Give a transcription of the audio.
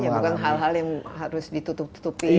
bukan hal hal yang harus ditutup tutupi